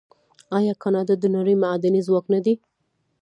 آیا کاناډا د نړۍ معدني ځواک نه دی؟